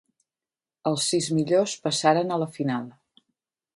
Els sis millors passaren a la final.